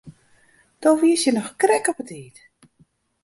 Do wiest hjir noch krekt op 'e tiid.